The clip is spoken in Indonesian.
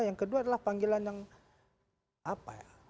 yang kedua adalah panggilan yang apa ya